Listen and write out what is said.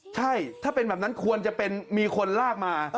ใช่ถ้าเป็นแบบนั้นควรจะเป็นมีคนลากมา